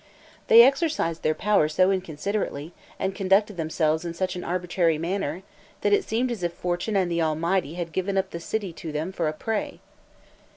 They exercised their power so inconsiderately, and conducted themselves in such an arbitrary manner, that it seemed as if fortune and the Almighty had given the city up to them for a prey.